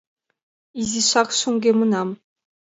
Изишак шоҥгемынам...